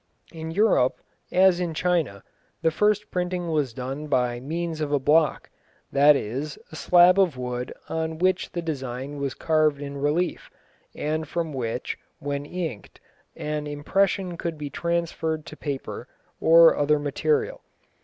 In Europe, as in China, the first printing was done by means of a block, that is, a slab of wood on which the design was carved in relief, and from which, when inked, an impression could be transferred to paper or other material.